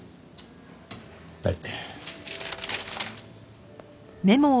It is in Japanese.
はい。